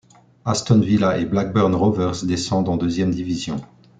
Aston Villa et Blackburn Rovers descendent en deuxième division.